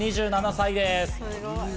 ２７歳です。